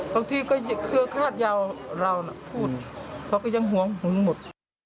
บางทีก็คือคาดยาวเราพูดเขาก็ยังหวงหมด